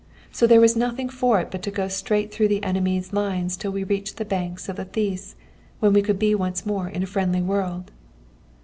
So there was nothing for it but to go straight through the enemy's lines till we reached the banks of the Theiss, when we could be once more in a friendly world."